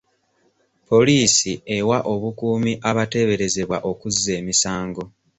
Poliisi ewa obukuumi abateeberezebwa okuzza emisango.